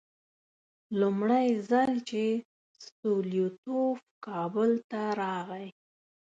لومړی ځل چې ستولیتوف کابل ته راغی.